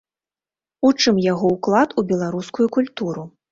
У чым яго ўклад у беларускую культуру?